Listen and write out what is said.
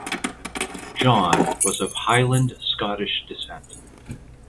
John was of Highland Scottish descent.